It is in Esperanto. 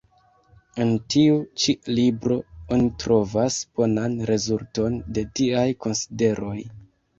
En tiu ĉi libro oni trovas bonan rezulton de tiaj konsideroj.